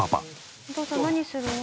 お父さん何するの？